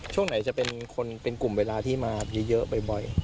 ช่วงไหนจะเป็นคนเป็นกลุ่มเวลาที่มาเยอะบ่อย